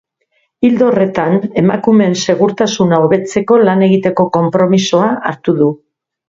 Ildo horretan, emakumeen segurtasuna hobetzeko lan egiteko konpromisoa hartu du.